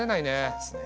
そうですね。